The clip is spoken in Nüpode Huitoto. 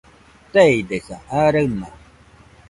Teidesa, aa raɨna